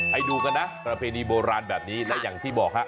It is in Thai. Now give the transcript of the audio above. ให้ดูกันนะประเพณีโบราณแบบนี้และอย่างที่บอกฮะ